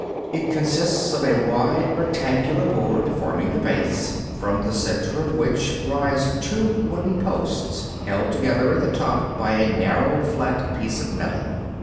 It consists of a wide rectangular board, forming the base, from the center of which rise two wooden posts held together at the top by a narrow flat piece of metal.